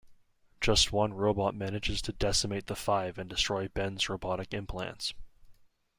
Just one robot manages to decimate the Five and destroy Ben's robotic implants.